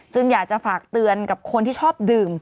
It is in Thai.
อยากจะฝากเตือนกับคนที่ชอบดื่ม